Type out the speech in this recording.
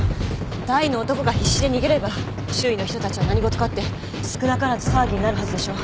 大の男が必死で逃げれば周囲の人たちは何事かって少なからず騒ぎになるはずでしょ。